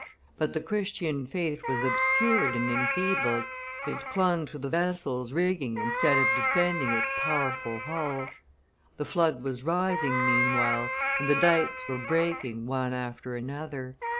But the Christian faith was obscured and enfeebled, it clung to the vessel's rigging instead of defending its powerful hull; the flood was rising meanwhile, and the dikes were breaking one after, another.